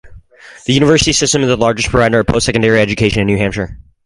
The University System is the largest provider of post-secondary education in New Hampshire.